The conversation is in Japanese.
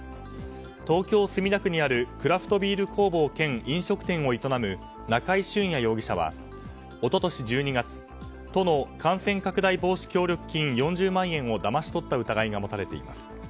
東京・墨田区にあるクラフトビール工房兼飲食店を営む中井俊也容疑者は、一昨年１２月都の感染拡大防止協力金４０万円をだまし取った疑いが持たれています。